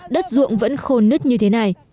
đất ruộng vẫn khôn nứt như thế này